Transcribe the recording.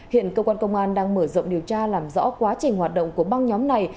hiện công an đang mở rộng điều tra làm rõ quá trình hoạt động của băng nhóm này